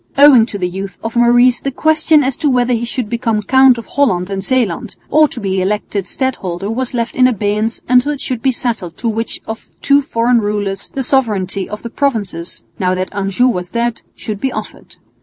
Owing to the youth of Maurice the question as to whether he should become Count of Holland and Zeeland or be elected Stadholder was left in abeyance until it should be settled to which of two foreign rulers the sovereignty of the provinces, now that Anjou was dead, should be offered.